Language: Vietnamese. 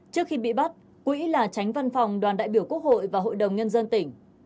trước khi bị bắt quỹ là tránh văn phòng đoàn đại biểu quốc hội và hội đồng nhân dân tỉnh